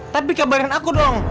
tapi kabarin aku dong